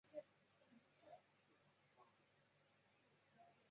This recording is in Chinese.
儿子朱健杙被册封为世孙。